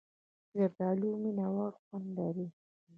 زردالو مینهوړ خوند لري.